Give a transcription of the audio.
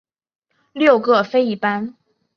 六各飞一班。